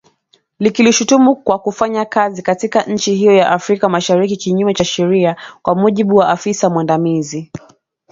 Likilishutumu kwa kufanya kazi katika nchi hiyo ya Afrika Mashariki kinyume cha sheria, kwa mujibu wa afisa mwandamizi